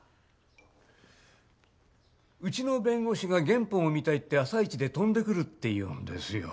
うちの弁護士が原本を見たいって朝一で飛んでくるっていうんですよ。